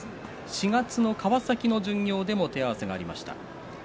４月の川崎の巡業でも手合わせがありました。